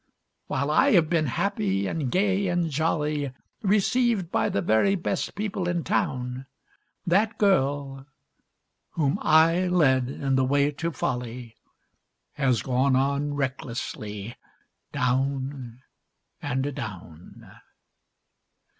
While I have been happy and gay and jolly, Received by the very best people in town, That girl whom I led in the way to folly, Has gone on recklessly down and down.